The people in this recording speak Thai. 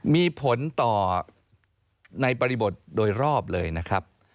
มีผลต่อในบริบทโดยรอบเลยนะครับ